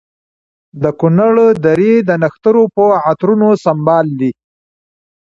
د کنر درې د نښترو په عطرونو سمبال دي.